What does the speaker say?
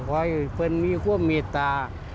ให้เพื่อนมีความเมตตา